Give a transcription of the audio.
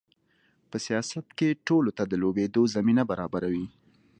په سیاست کې ټولو ته د لوبېدو زمینه برابروي.